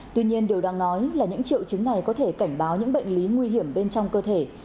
tuy nhiên điều đang nói là những triệu chứng này có thể cảnh báo những bệnh lý nguy hiểm bên trong cơ thể